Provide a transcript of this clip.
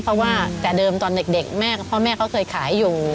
เพราะว่าแต่เดิมตอนเด็กแม่กับพ่อแม่เขาเคยขายอยู่